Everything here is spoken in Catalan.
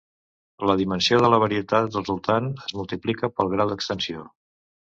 La dimensió de la varietat resultant es multiplica pel grau d'extensió.